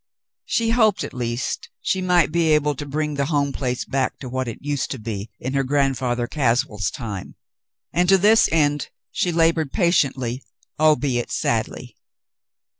She hoped at least she might be able to bring the home place back to what it used to be in her Grandfather Caswell's time, and to this end she labored patiently; albeit sadly.